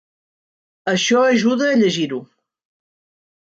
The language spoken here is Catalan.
Això ajuda a llegir-ho.